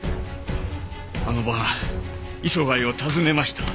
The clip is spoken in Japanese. あの晩磯貝を訪ねました。